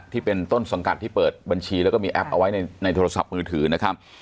ที่เป็นต้นสังกัดที่เปิดบัญชีแล้วก็มีแอปเอาไว้ในโทรศัพท์มือถือนะครับ